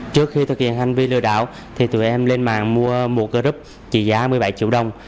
trước khi thực hiện hành vi lừa đảo thì tụi em lên mạng mua một group trị giá một mươi bảy triệu đồng